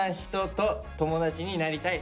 と友達になりたい？